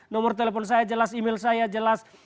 nomor telepon saya jelas email saya jelas